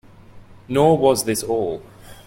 Nor was this all.